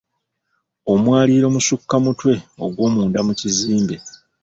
Omwaliiro musukka mutwe ogw'omunda mu kizimbe.